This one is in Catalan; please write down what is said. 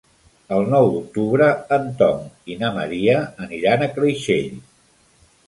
El nou d'octubre en Tom i na Maria aniran a Creixell.